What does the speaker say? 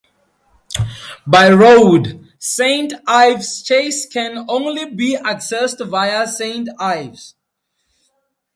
By road, Saint Ives Chase can only be accessed via Saint Ives.